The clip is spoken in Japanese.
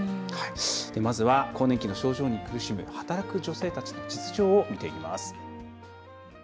まずは、更年期の症状に苦しむ働く女性たちの実情を見ていきます。